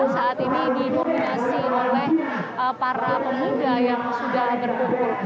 saat ini didominasi oleh para pemuda yang sudah berkumpul